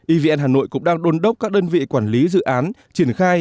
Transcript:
evn hà nội cũng đang đôn đốc các đơn vị quản lý dự án triển khai